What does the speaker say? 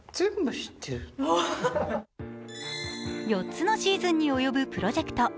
４つのシーズンに及ぶプロジェクト。